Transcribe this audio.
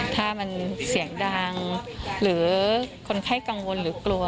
ถ้ามันเสียงดังหรือคนไข้กังวลหรือกลัว